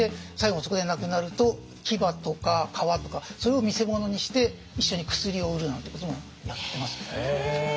そこで亡くなると牙とか皮とかそれを見せ物にして一緒に薬を売るなんてこともやってますね。